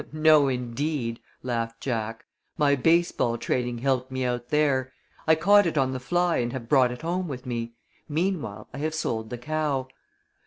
"No, indeed," laughed Jack. "My baseball training helped me out there. I caught it on the fly and have brought it home with me. Meanwhile, I have sold the cow."